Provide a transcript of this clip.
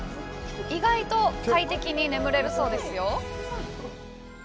意外と快適に眠れるそうですよ。